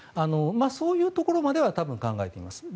そういうところまでは多分、考えています。